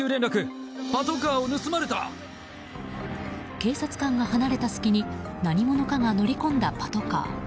警察官が離れた隙に何者かが乗り込んだパトカー。